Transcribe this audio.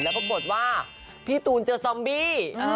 แล้วปรากฏว่าพี่ตูนเจอซอมบี้